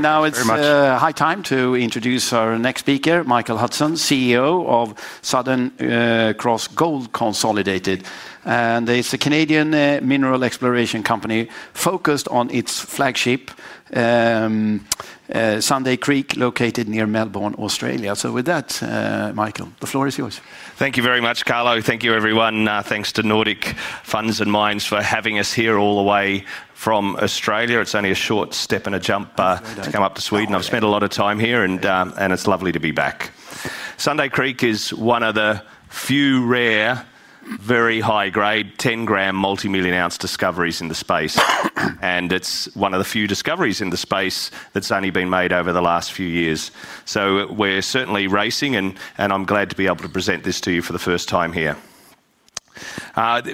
Now it's a high time to introduce our next speaker, Michael Hudson, CEO of Southern Cross Gold Consolidated. It's a Canadian mineral exploration company focused on its flagship, Sunday Creek Project, located near Melbourne, Australia. With that, Michael, the floor is yours. Thank you very much, Carlo. Thank you, everyone. Thanks to Nordic Funds and Mines for having us here all the way from Australia. It's only a short step and a jump to come up to Sweden. I've spent a lot of time here, and it's lovely to be back. Sunday Creek is one of the few rare, very high-grade, 10 g multimillion-ounce discoveries in the space. It's one of the few discoveries in the space that's only been made over the last few years. We're certainly racing, and I'm glad to be able to present this to you for the first time here.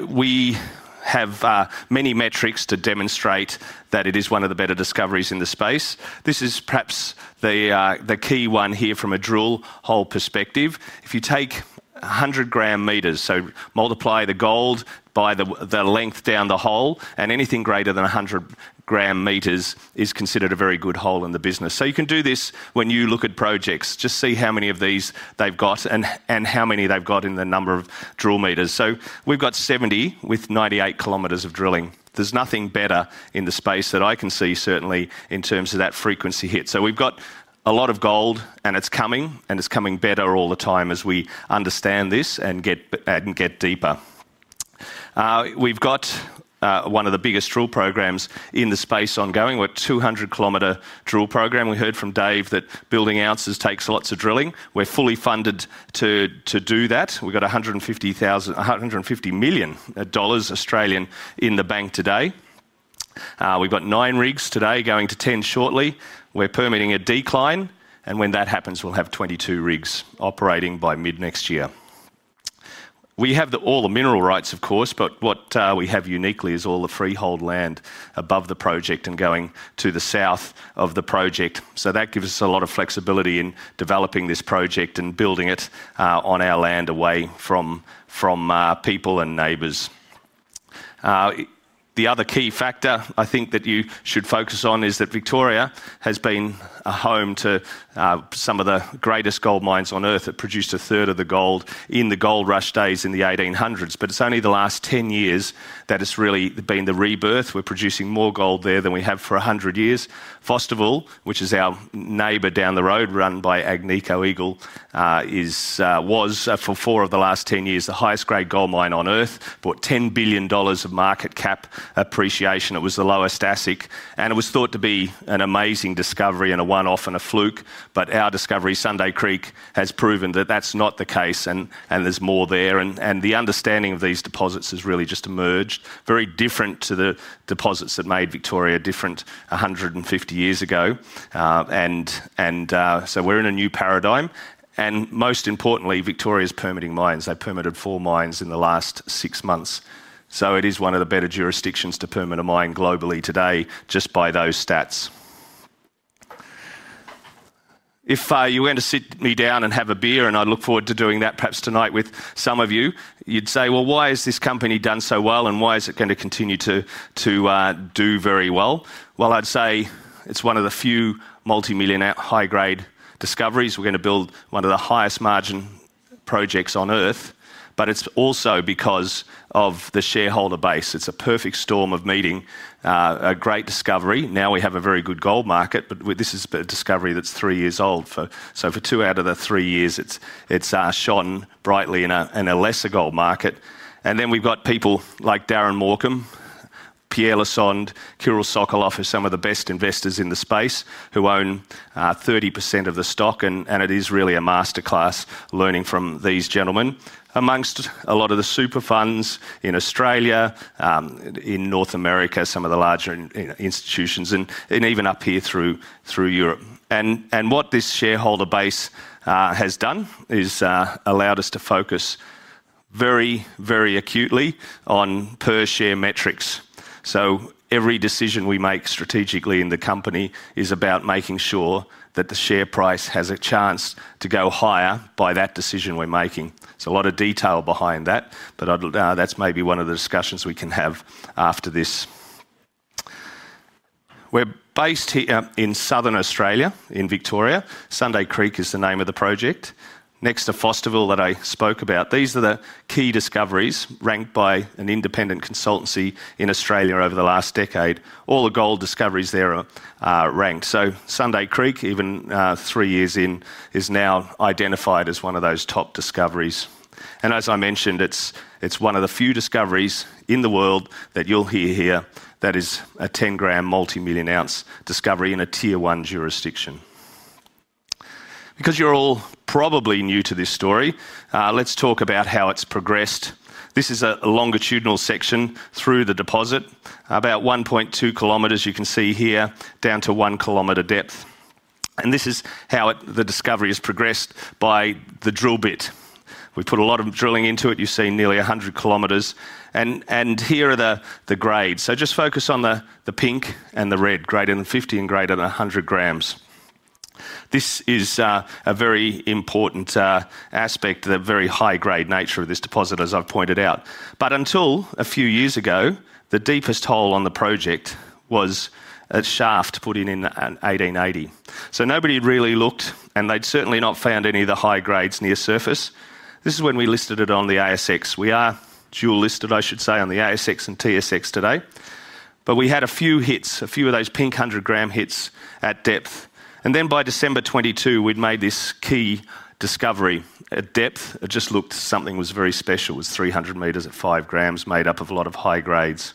We have many metrics to demonstrate that it is one of the better discoveries in the space. This is perhaps the key one here from a drill hole perspective. If you take 100-gram-meters, so multiply the gold by the length down the hole, anything greater than 100-gram-meters is considered a very good hole in the business. You can do this when you look at projects, just see how many of these they've got and how many they've got in the number of drill meters. We've got 70 with 98 km of drilling. There's nothing better in the space that I can see, certainly, in terms of that frequency hit. We've got a lot of gold, and it's coming, and it's coming better all the time as we understand this and get deeper. We've got one of the biggest drill programs in the space ongoing. We're a 200 km drill program. We heard from Dave that building ounces takes lots of drilling. We're fully funded to do that. We've got 150 million Australian dollars in the bank today. We've got nine rigs today going to 10 shortly. We're permitting a decline, and when that happens, we'll have 22 rigs operating by mid-next year. We have all the mineral rights, of course, but what we have uniquely is all the freehold land above the project and going to the south of the project. That gives us a lot of flexibility in developing this project and building it on our land away from people and neighbors. The other key factor I think that you should focus on is that Victoria has been a home to some of the greatest gold mines on Earth that produced a third of the gold in the gold rush days in the 1800s. It's only the last 10 years that it's really been the rebirth. We're producing more gold there than we have for 100 years. Fosterville, which is our neighbor down the road run by Agnico Eagle, was, for four of the last 10 years, the highest-grade gold mine on Earth, bought 10 billion dollars of market cap appreciation. It was the lowest ASIC, and it was thought to be an amazing discovery and a one-off and a fluke. Our discovery, Sunday Creek, has proven that that's not the case, and there's more there. The understanding of these deposits has really just emerged, very different to the deposits that made Victoria different 150 years ago. We're in a new paradigm. Most importantly, Victoria's permitting mines. They've permitted four mines in the last six months. It is one of the better jurisdictions to permit a mine globally today, just by those stats. If you were going to sit me down and have a beer, and I look forward to doing that perhaps tonight with some of you, you'd say, why has this company done so well, and why is it going to continue to do very well? I'd say it's one of the few multimillionaire high-grade discoveries. We're going to build one of the highest margin projects on Earth. It's also because of the shareholder base. It's a perfect storm of meeting, a great discovery. Now we have a very good gold market, but this is a discovery that's three years old. For two out of the three years, it's shone brightly in a lesser gold market. We've got people like Darren Morcombe, Pierre Lassonde, Kiril Sokoloff, who are some of the best investors in the space, who own 30% of the stock. It is really a masterclass learning from these gentlemen amongst a lot of the super funds in Australia, in North America, some of the larger institutions, and even up here through Europe. What this shareholder base has done is allowed us to focus very, very acutely on per-share metrics. Every decision we make strategically in the company is about making sure that the share price has a chance to go higher by that decision we're making. There's a lot of detail behind that, but that's maybe one of the discussions we can have after this. We're based here in Southern Australia, in Victoria. Sunday Creek is the name of the project, next to Fosterville that I spoke about. These are the key discoveries ranked by an independent consultancy in Australia over the last decade. All the gold discoveries there are ranked. Sunday Creek, even three years in, is now identified as one of those top discoveries. As I mentioned, it's one of the few discoveries in the world that you'll hear here that is a 10-gram multimillion-ounce discovery in a tier-one jurisdiction. Because you're all probably new to this story, let's talk about how it's progressed. This is a longitudinal section through the deposit, about 1.2 km. You can see here, down 1 km depth, and this is how the discovery has progressed by the drill bit. We put a lot of drilling into it. You see nearly 100 km, and here are the grades. Just focus on the pink and the red, greater than 50 and greater than 100 grams. This is a very important aspect, the very high-grade nature of this deposit, as I've pointed out. Until a few years ago, the deepest hole on the project was a shaft put in in 1880. Nobody had really looked, and they'd certainly not found any of the high grades near surface. This is when we listed it on the ASX. We are dual-listed, I should say, on the ASX and TSX today. We had a few hits, a few of those pink 100-gram hits at depth. By December 2022, we'd made this key discovery at depth. It just looked like something was very special. It was 300 m at five grams, made up of a lot of high grades.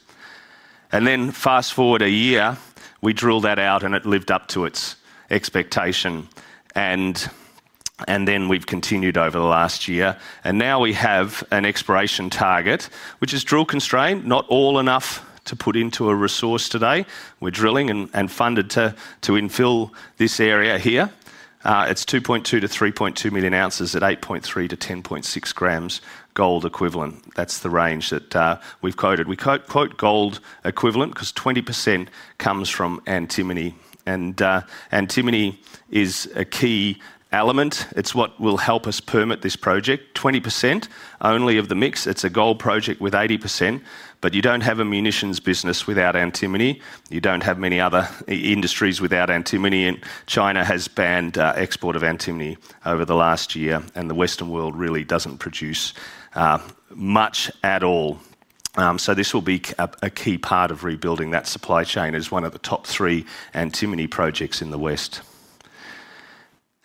Fast forward a year, we drilled that out, and it lived up to its expectation. We've continued over the last year, and now we have an exploration target, which is drill constrained, not all enough to put into a resource today. We're drilling and funded to infill this area here. It's 2.2 million- 3.2 million ounces at 8.3 g-10.6 g gold equivalent. That's the range that we've quoted. We quote gold equivalent because 20% comes from antimony. Antimony is a key element. It's what will help us permit this project. 20% only of the mix. It's a gold project with 80%. You don't have a munitions business without antimony. You don't have many other industries without antimony. China has banned export of antimony over the last year, and the Western world really doesn't produce much at all. This will be a key part of rebuilding that supply chain as one of the top three antimony projects in the West.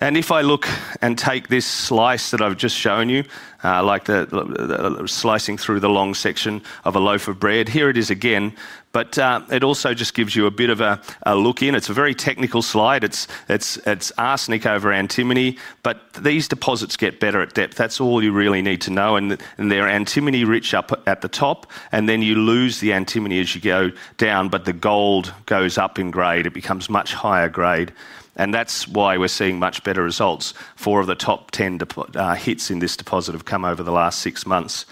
If I look and take this slice that I've just shown you, like the slicing through the long section of a loaf of bread, here it is again. It also just gives you a bit of a look in. It's a very technical slide. It's arsenic over antimony, but these deposits get better at depth. That's all you really need to know. They're antimony rich up at the top, and then you lose the antimony as you go down, but the gold goes up in grade. It becomes much higher grade. That's why we're seeing much better results. Four of the top 10 hits in this deposit have come over the last six months.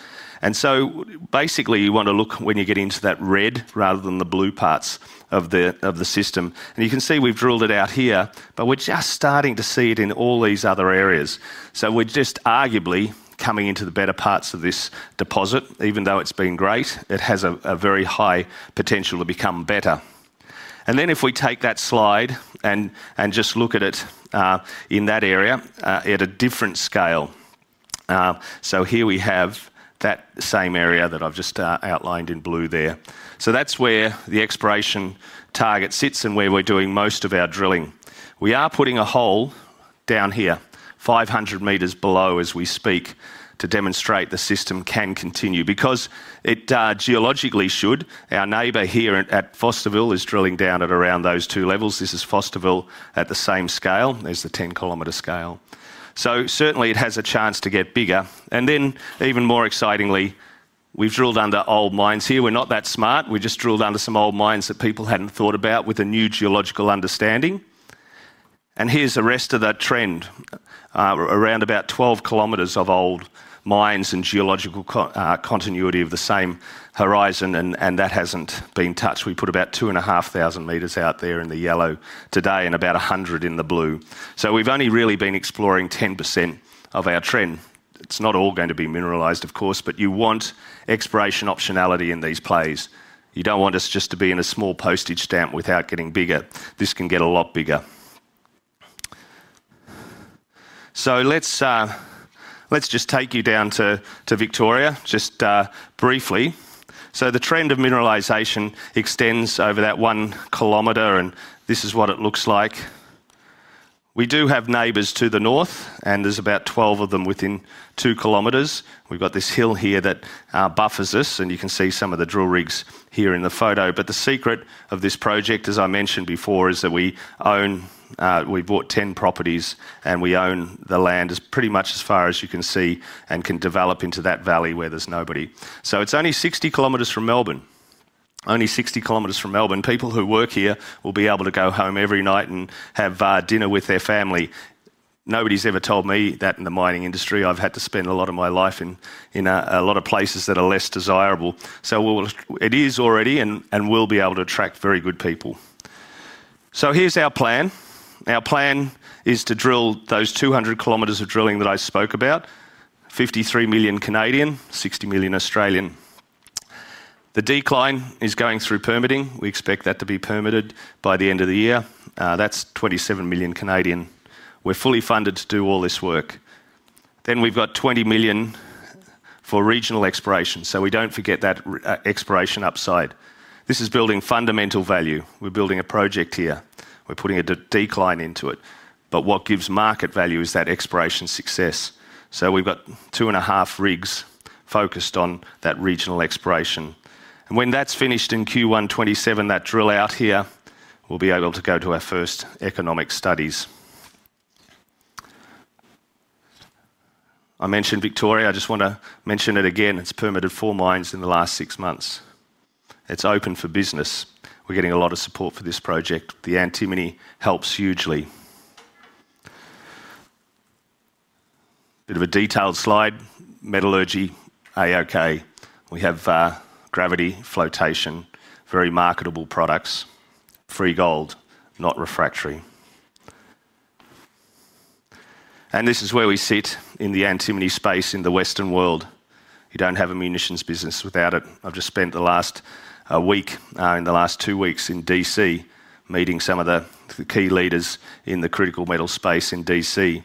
Basically, you want to look when you get into that red rather than the blue parts of the system. You can see we've drilled it out here, but we're just starting to see it in all these other areas. We're just arguably coming into the better parts of this deposit. Even though it's been great, it has a very high potential to become better. If we take that slide and just look at it in that area at a different scale, here we have that same area that I've just outlined in blue there. That's where the exploration target sits and where we're doing most of our drilling. We are putting a hole down here, 500 m below as we speak, to demonstrate the system can continue because it geologically should. Our neighbor here at Fosterville is drilling down at around those two levels. This is Fosterville at the same scale. There's the 10 km scale. It certainly has a chance to get bigger. Even more excitingly, we've drilled under old mines here. We're not that smart. We just drilled under some old mines that people hadn't thought about with a new geological understanding. Here's the rest of that trend, around about 12 km of old mines and geological continuity of the same horizon. That hasn't been touched. We put about 2,500 m out there in the yellow today and about 100 in the blue. We've only really been exploring 10% of our trend. It's not all going to be mineralized, of course, but you want exploration optionality in these plays. You don't want us just to be in a small postage stamp without getting bigger. This can get a lot bigger. Let's just take you down to Victoria just briefly. The trend of mineralization extends over that one kilometer. This is what it looks like. We do have neighbors to the north, and there's about 12 of them within two kilometers. We've got this hill here that buffers us. You can see some of the drill rigs here in the photo. The secret of this project, as I mentioned before, is that we own, we bought 10 properties, and we own the land pretty much as far as you can see and can develop into that valley where there's nobody. It's only 60 km from Melbourne. Only 60 km from Melbourne. People who work here will be able to go home every night and have dinner with their family. Nobody's ever told me that in the mining industry. I've had to spend a lot of my life in a lot of places that are less desirable. It is already and will be able to attract very good people. Here's our plan. Our plan is to drill those 200 km of drilling that I spoke about, 53 million, 60 million. The decline is going through permitting. We expect that to be permitted by the end of the year. That's 27 million. We're fully funded to do all this work. We've got 20 million for regional exploration. We don't forget that exploration upside. This is building fundamental value. We're building a project here. We're putting a decline into it. What gives market value is that exploration success. We've got two and a half rigs focused on that regional exploration. When that's finished in Q1 2027, that drill out here, we'll be able to go to our first economic studies. I mentioned Victoria. I just want to mention it again. It's permitted four mines in the last six months. It's open for business. We're getting a lot of support for this project. The antimony helps hugely. Bit of a detailed slide. Metallurgy, AOK. We have gravity, flotation, very marketable products, free gold, not refractory. This is where we sit in the antimony space in the Western world. You don't have a munitions business without it. I've just spent the last week, in the last two weeks in D.C., meeting some of the key leaders in the critical metal space in D.C.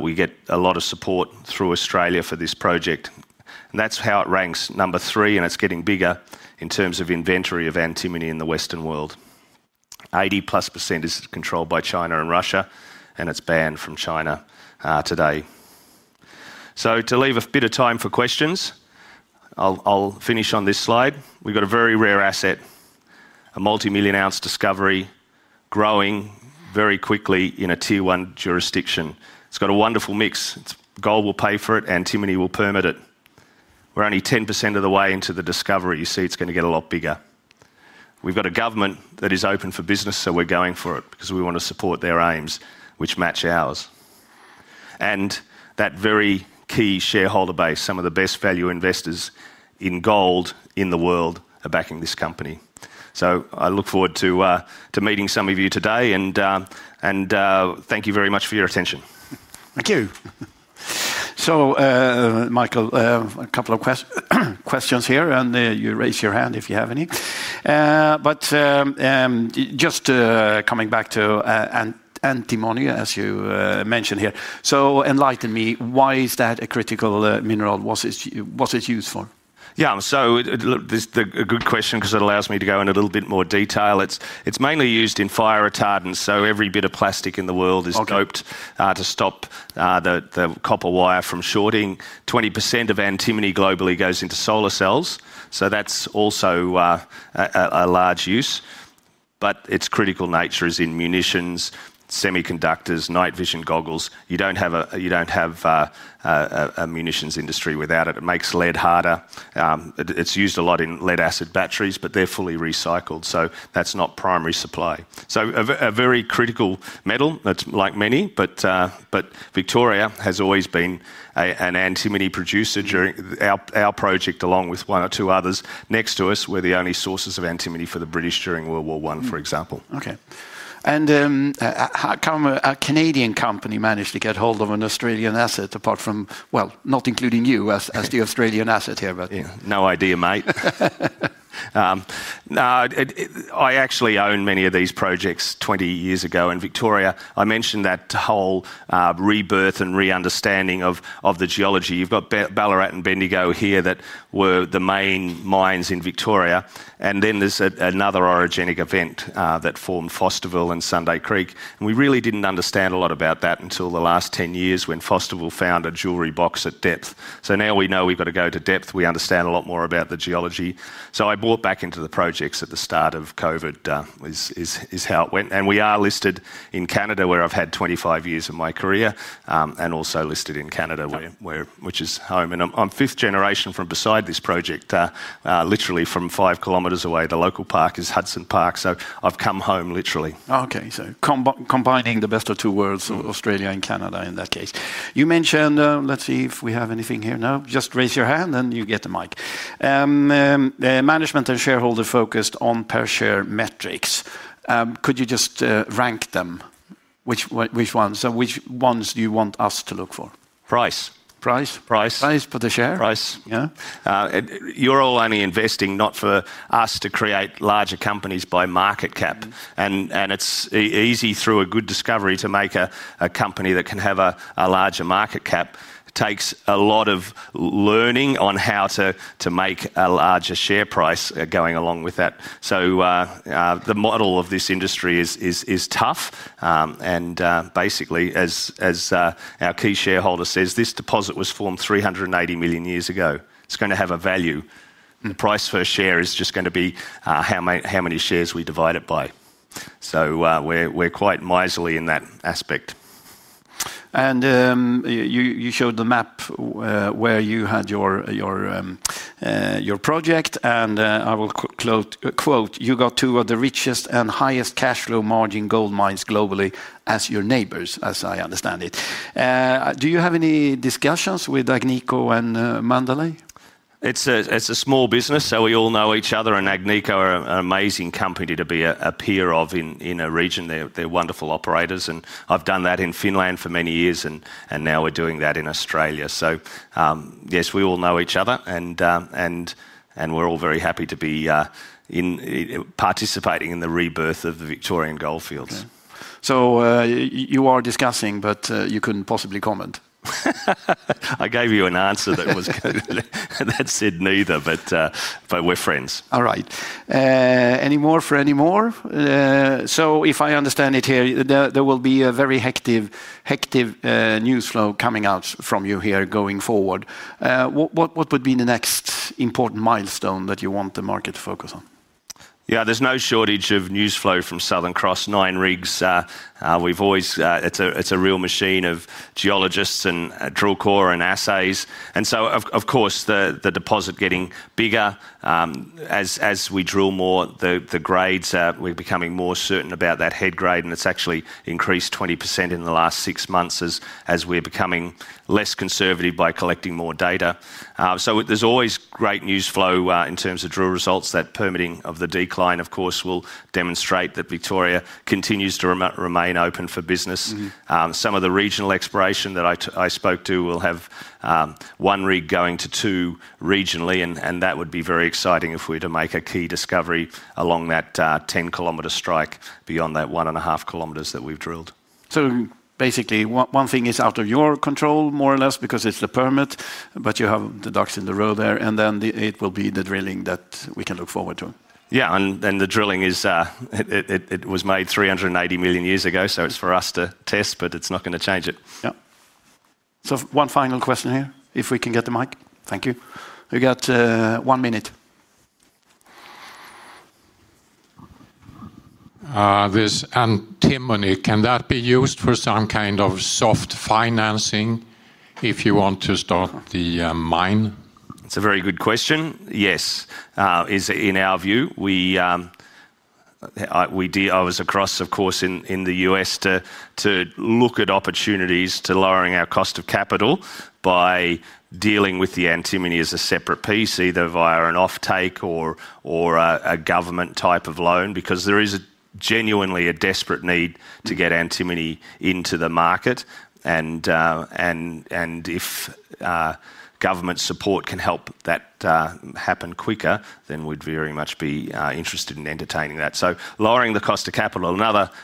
We get a lot of support through Australia for this project. That's how it ranks number three, and it's getting bigger in terms of inventory of antimony in the Western world. 80+% is controlled by China and Russia, and it's banned from China today. To leave a bit of time for questions, I'll finish on this slide. We've got a very rare asset, a multimillion-ounce discovery growing very quickly in a tier-one jurisdiction. It's got a wonderful mix. Gold will pay for it. Antimony will permit it. We're only 10% of the way into the discovery. You see, it's going to get a lot bigger. We've got a government that is open for business. We're going for it because we want to support their aims, which match ours. That very key shareholder base, some of the best value investors in gold in the world, are backing this company. I look forward to meeting some of you today. Thank you very much for your attention. Thank you. Michael, a couple of questions here. Raise your hand if you have any. Just coming back to antimony, as you mentioned here. Enlighten me, why is that a critical mineral? What's its use for? Yeah, this is a good question because it allows me to go in a little bit more detail. It's mainly used in fire retardants. Every bit of plastic in the world is doped to stop the copper wire from shorting. 20% of antimony globally goes into solar cells. That's also a large use. Its critical nature is in munitions, semiconductors, night vision goggles. You don't have ammunitions industry without it. It makes lead harder. It's used a lot in lead-acid batteries, but they're fully recycled. That's not primary supply. A very critical metal that's like many, but Victoria has always been an antimony producer during our project, along with one or two others next to us. We're the only sources of antimony for the British during World War I, for example. OK. How come a Canadian company managed to get hold of an Australian asset, apart from, not including you as the Australian asset here? No idea, mate. I actually owned many of these projects 20 years ago. In Victoria, I mentioned that whole rebirth and reunderstanding of the geology. You've got Ballarat and Bendigo here that were the main mines in Victoria. There is another orogenic event that formed Fosterville and Sunday Creek. We really didn't understand a lot about that until the last 10 years when Fosterville found a jewelry box at depth. Now we know we've got to go to depth. We understand a lot more about the geology. I bought back into the projects at the start of COVID is how it went. We are listed in Canada, where I've had 25 years of my career, and also listed in Canada, which is home. I'm fifth generation from beside this project, literally from five kilometers away. The local park is Hudson Park. I've come home literally. OK, combining the best of two worlds, Australia and Canada in that case. You mentioned, let's see if we have anything here now. Just raise your hand and you get the mic. The management and shareholders focused on per-share metrics. Could you just rank them? Which ones do you want us to look for? Price. Price? Price. Price for the share? Price. Yeah? You're all only investing not for us to create larger companies by market cap. It's easy through a good discovery to make a company that can have a larger market cap. It takes a lot of learning on how to make a larger share price going along with that. The model of this industry is tough. Basically, as our key shareholder says, this deposit was formed 380 million years ago. It's going to have a value. The price for a share is just going to be how many shares we divide it by. We're quite miserly in that aspect. You showed the map where you had your project. I will quote, "You got two of the richest and highest cash flow margin gold mines globally as your neighbors," as I understand it. Do you have any discussions with Agnico and Mandalay? It's a small business. We all know each other. Agnico Eagle are an amazing company to be a peer of in a region. They're wonderful operators. I've done that in Finland for many years, and now we're doing that in Australia. We all know each other, and we're all very happy to be participating in the rebirth of Victorian gold fields. You are discussing, but you couldn't possibly comment. I gave you an answer that said neither. We're friends. All right. Any more for any more? If I understand it here, there will be a very hectic news flow coming out from you here going forward. What would be the next important milestone that you want the market to focus on? Yeah, there's no shortage of news flow from Southern Cross, nine rigs. We've always, it's a real machine of geologists and drill core and assays. Of course, the deposit getting bigger. As we drill more, the grades are becoming more certain about that head grade. It's actually increased 20% in the last six months as we're becoming less conservative by collecting more data. There's always great news flow in terms of drill results. That permitting of the decline, of course, will demonstrate that Victoria continues to remain open for business. Some of the regional exploration that I spoke to will have one rig going to two regionally. That would be very exciting if we were to make a key discovery along that 10 km strike beyond that 1.5 km that we've drilled. One thing is out of your control, more or less, because it's the permit. You have the ducks in the row there, and then it will be the drilling that we can look forward to. Yeah, the drilling was made 380 million years ago. It's for us to test, but it's not going to change it. Yeah. One final question here, if we can get the mic. Thank you. We got one minute. There's antimony. Can that be used for some kind of soft financing if you want to start the mine? That's a very good question. Yes. In our view, we deal across, of course, in the U.S. to look at opportunities to lower our cost of capital by dealing with the antimony as a separate piece, either via an offtake or a government type of loan, because there is genuinely a desperate need to get antimony into the market. If government support can help that happen quicker, we'd very much be interested in entertaining that. Lowering the cost of capital,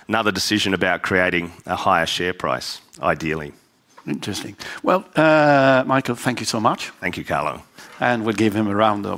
another decision about creating a higher share price, ideally. Interesting. Michael, thank you so much. Thank you, Carlo. We'll give him a round of applause.